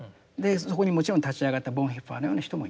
そこにもちろん立ち上がったボンヘッファーのような人もいた。